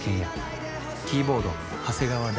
キーボード長谷川大喜。